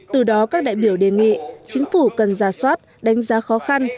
từ đó các đại biểu đề nghị chính phủ cần ra soát đánh giá khó khăn